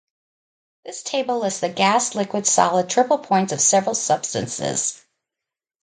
This table lists the gas-liquid-solid triple points of several substances.